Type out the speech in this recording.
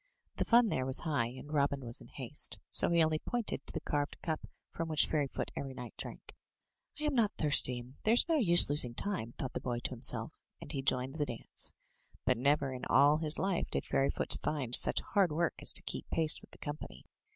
The fun there was high, and Robin was in haste. So he only pointed to the carved cup from which Fairyfoot every night drank. "I am not thirsty, and there is no use losing time,*' thought the boy to himself, and he joined the dance; but never in all his life did Fairyfoot find such hard work as to keep pace with the company.